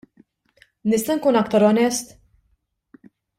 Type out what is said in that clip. Nista' nkun aktar onest?